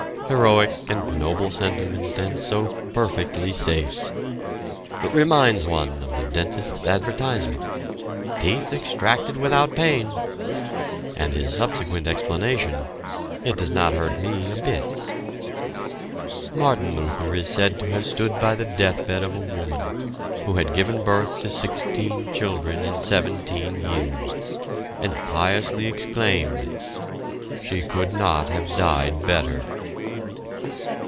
Heroic and noble sentiment and so perfectly safe! It reminds one of the dentist's advertisement: "Teeth extracted without pain" and his subsequent explanation: "It does not hurt me a bit!" Martin Luther is said to have stood by the death bed of a woman, who had given birth to sixteen children in seventeen years, and piously exclaimed: "She could not have died better!"